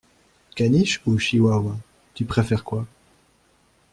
Caniche ou chihuahua, tu préfères quoi?